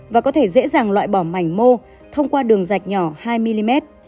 và có thể dễ dàng loại bỏ mảnh mô thông qua đường rạch nhỏ hai mm